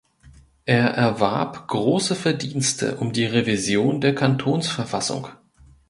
Er erwarb grosse Verdienste um die Revision der Kantonsverfassung.